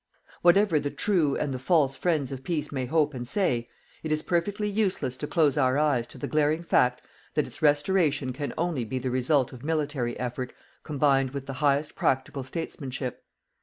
Whatever the TRUE and the FALSE friends of PEACE may hope and say, it is perfectly useless to close our eyes to the glaring fact that its restoration can only be the result of military effort combined with the highest practical statesmanship.